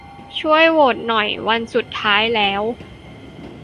ช่วยโหวตหน่อย วันสุดท้ายแล้ว